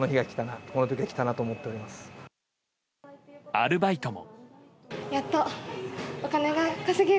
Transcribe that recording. アルバイトも。